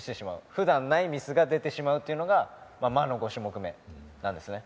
普段ないミスが出てしまうというのが魔の５種目めなんですね。